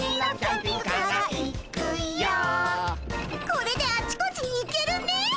これであちこちに行けるね。